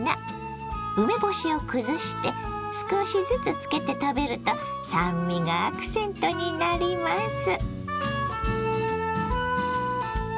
梅干しを崩して少しずつ付けて食べると酸味がアクセントになります。